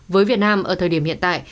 với việt nam ở thời điểm hiện tại